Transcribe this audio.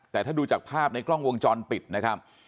แต่ถ้าดูจากภาพในกล้องวงจรปิดนะครับ